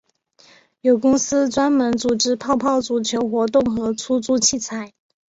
有公司专门组织泡泡足球活动和出租器材。